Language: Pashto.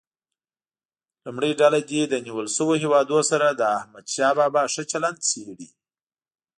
لومړۍ ډله دې له نیول شویو هیوادونو سره د احمدشاه بابا ښه چلند څېړي.